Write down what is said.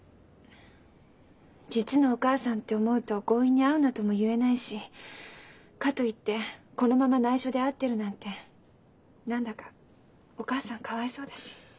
実のお母さんって思うと強引に「会うな」とも言えないしかと言ってこのままないしょで会ってるなんて何だかお母さんかわいそうだし。